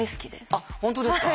あっ本当ですか？